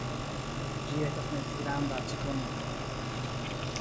Ĝi estas mezgranda cikonio.